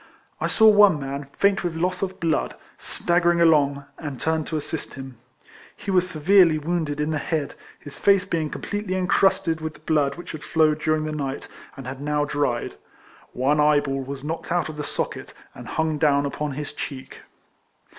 I saw one man, faint with loss of blood, staggering along, and turned to assist him. He was severely wounded in the head, his face being completely incrusted mth the blood which had flowed during the night, and had now dried. One eyeball was knocked out of the socket, and hung down upon his cheek.